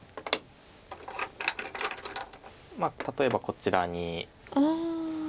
まあ例えばこちらに。